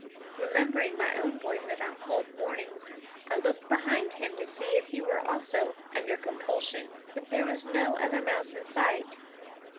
Remembering my own boyhood on cold mornings, I looked behind him to see if he also were under compulsion, but there was no other mouse in sight.